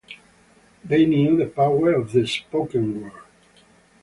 They knew the power of the spoken word.